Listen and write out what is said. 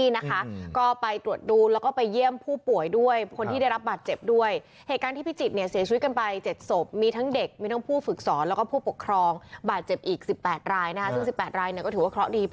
นายกระทะมนตรี